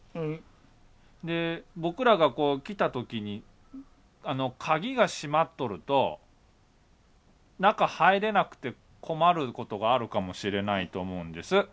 僕らがこう来た時に鍵が閉まっとると中入れなくて困ることがあるかもしれないと思うんです。